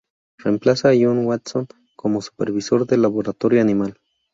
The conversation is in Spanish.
Remplaza a John Watson como supervisor del laboratorio animal.